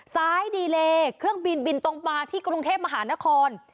ดีเลเครื่องบินบินตรงมาที่กรุงเทพมหานคร